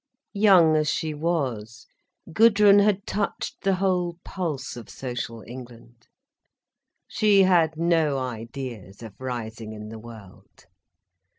Young as she was, Gudrun had touched the whole pulse of social England. She had no ideas of rising in the world.